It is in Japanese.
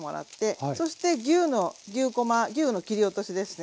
そして牛の牛こま牛の切り落としですね。